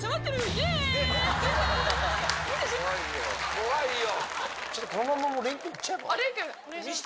怖いよ！